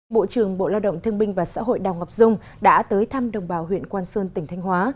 bộ trưởng bộ lao động thương binh và xã hội đào ngọc dung đã tới thăm đồng bào huyện quang sơn tỉnh thanh hóa